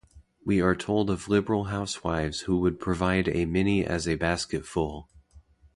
We are told of liberal housewives who would provide a many as a basketful.